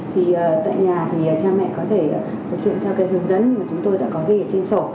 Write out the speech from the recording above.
thì tại nhà thì cha mẹ có thể thực hiện theo cái hướng dẫn mà chúng tôi đã có ghi ở trên sổ